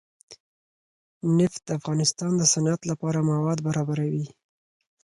نفت د افغانستان د صنعت لپاره مواد برابروي.